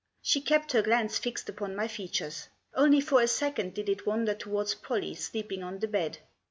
She kept her glance fixed upon my features ; only for a second did it wander towards Pollie sleeping on the bed.